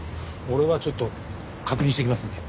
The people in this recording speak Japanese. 俺はちょっと確認してきますんで。